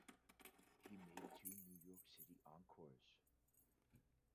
He made two New York City Center Encores!